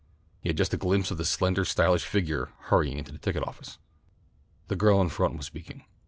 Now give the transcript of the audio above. He had just a glimpse of a slender stylish figure hurrying into the ticket office. The girl in front was speaking.